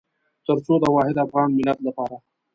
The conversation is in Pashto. تر څو د واحد افغان ملت لپاره.